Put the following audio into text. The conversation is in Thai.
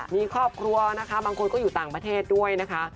มีครอบครัวนะคะบางคนก็อยู่ต่างประเทศด้วยนะคะ